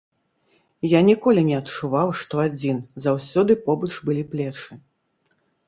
Я ніколі не адчуваў, што адзін, заўсёды побач былі плечы.